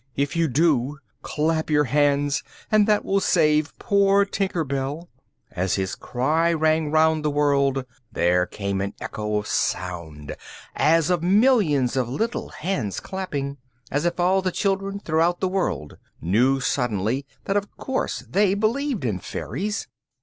If you do, clap your hands, and that will save poor Tinker Bell." As his cry rang round the world, there came an echo of sound as of millions of little hands clapping, as if all the children throughout the world knew suddenly that of course they believed in fairies.